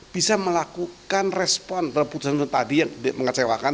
bisa melakukan respon dalam putusan putusan tadi yang mengecewakan